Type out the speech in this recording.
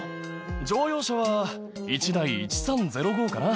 乗用車は１台１３０５かな。